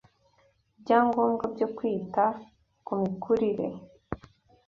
ibyangombwa byo kwita ku mikurire